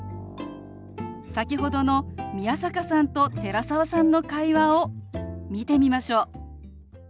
先ほどの宮坂さんと寺澤さんの会話を見てみましょう。